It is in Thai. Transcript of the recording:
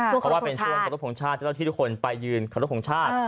เพราะว่าเป็นช่วงของทศพงศาสตร์จะต้องที่ทุกคนไปยืนของทศพงศาสตร์